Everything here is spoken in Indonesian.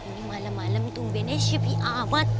ini malem malem itu umbennya syepi amat